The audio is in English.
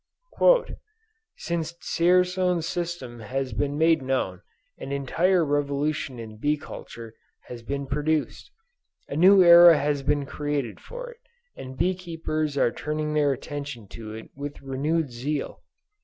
"Since Dzierzon's system has been made known an entire revolution in bee culture has been produced. A new era has been created for it, and bee keepers are turning their attention to it with renewed zeal.